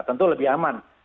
tentu lebih aman